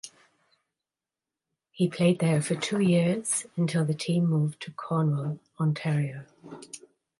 He played there for two years until the team moved to Cornwall, Ontario.